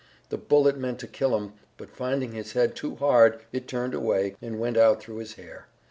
The bullet meant to kill him, but finding his head too hard, it turned away, and went out through his hair.